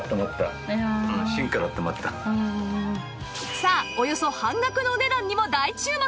さあおよそ半額のお値段にも大注目！